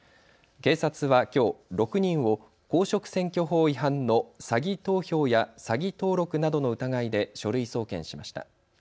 警察はきょう６人を公職選挙法違反の詐偽投票や詐偽登録などの疑いで書類送検しました。